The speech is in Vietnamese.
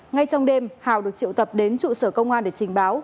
ngay trong đêm hào được triệu tập đến trụ sở công an để trình báo